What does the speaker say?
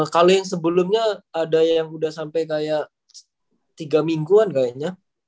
kalau yang sebelumnya ada yang udah sampai kayak tiga mingguan kayaknya